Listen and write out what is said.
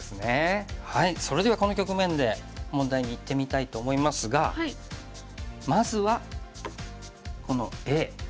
それではこの局面で問題にいってみたいと思いますがまずはこのＡ。